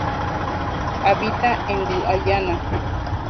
Habita en Guayana.